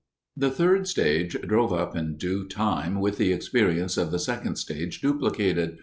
The third stage drove up in due time with the experience of the second stage duplicated.